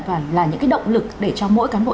và là những cái động lực để cho mỗi cán bộ